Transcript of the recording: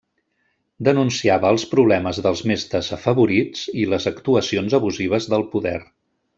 Denunciava els problemes dels més desafavorits i les actuacions abusives del poder.